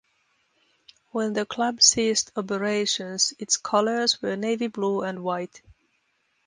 When the club ceased operations, its colors were navy blue and white.